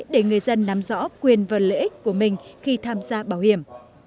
để người dân nắm rõ quyền và lợi ích của mình khi tham gia bảo hiểm